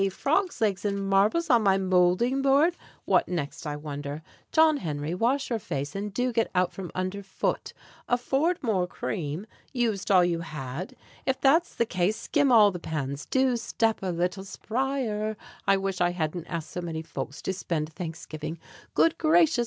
Frogs' legs and marbles on my moulding board! What next I wonder? John Henry, wash your face; And do get out from under foot, "Afford more Cream?" Used all you had? If that's the case, Skim all the pans. Do step a little spryer! I wish I hadn't asked so many folks To spend Thanksgiving. Good gracious!